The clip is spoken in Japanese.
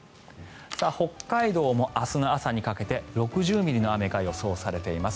北海道も明日の朝にかけて６０ミリの雨が予想されています。